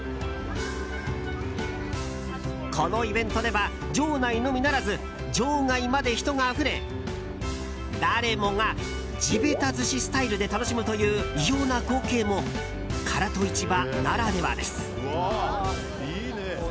このイベントでは場内のみならず場外まで人があふれ誰もが地べた寿司スタイルで楽しむという異様な光景も唐戸市場ならではです。